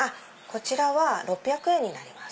こちらは６００円になります。